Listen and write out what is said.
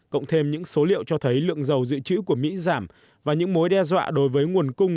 cộng thêm những số liệu cho thấy lượng dầu dự trữ của mỹ giảm và những mối đe dọa đối với nguồn cung